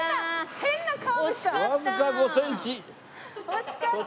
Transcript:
惜しかった。